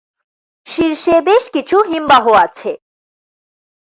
শীর্ষে বেশ কিছু হিমবাহ আছে।